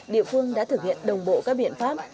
địa phương đã thực hiện đồng bộ các biện pháp